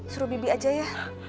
suruh bibi aja ya